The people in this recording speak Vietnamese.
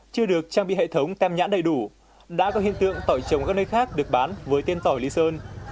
chưa được trang bị hệ thống tem nhãn đầy đủ đã có hiện tượng tỏi trồng các nơi khác được bán với tên tỏi lý sơn